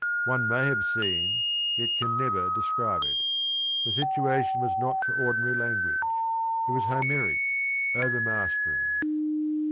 One may have seen yet can never describe it. The situation was not for ordinary language; it was Homeric, over mastering.